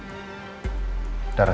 apa yang anda lakukan